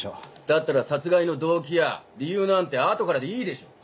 だったら殺害の動機や理由なんて後からでいいでしょう。